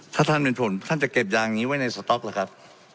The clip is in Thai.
ถ้าท่านเป็นผลท่านจะเก็บยางนี้ไว้ในสต๊อกหรือครับ